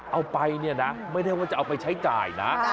เอาไปเนี่ยนะไม่ได้ว่าจะเอาไปใช้จ่ายนะ